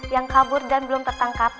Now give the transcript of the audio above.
yang kabur dan belum tertangkap